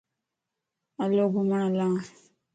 ھلو گھمڻ ھلا